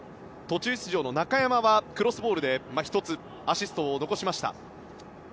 途中出場の中山はクロスで１つアシストを残しました。